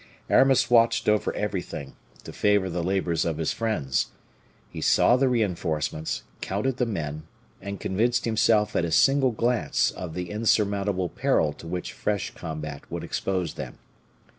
Aramis watched over everything, to favor the labors of his friends. He saw the reinforcements, counted the men, and convinced himself at a single glance of the insurmountable peril to which fresh combat would expose them.